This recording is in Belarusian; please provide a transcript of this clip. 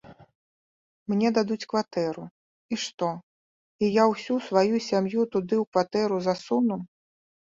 Мне дадуць кватэру, і што, і я ўсю сваю сям'ю туды у кватэру засуну?